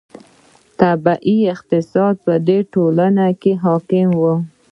طبیعي اقتصاد په دې ټولنو کې حاکم و.